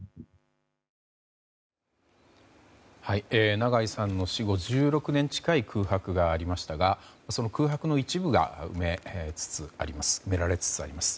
長井さんの死後１６年近い空白がありましたがその空白の一部が埋められつつあります。